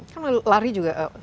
kan lari juga